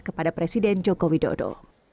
kepada presiden jokowi dodo